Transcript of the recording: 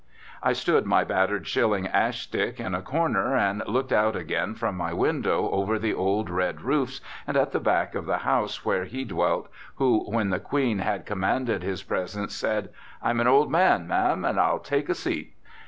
I stood my battered shilling ash stick in a corner and looked out again from my window over the old red roofs and at the back of the house where he dwelt who when the Queen had commanded his presence said, "I'm an old man, ma'am, and I'll take a seat."